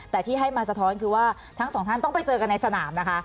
แต่ที่ให้มาสะท้อนคือว่าทั้งสองท่านต้องไปเจอกันในสนามนะคะ